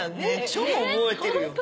超覚えてるよ。